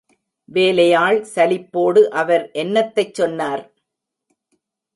வேலையாள் சலிப்போடு, அவர் என்னத்தைச் சொன்னார்?